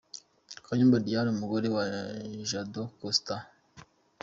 Kayumba Diane ,umugore wa Jado Castar.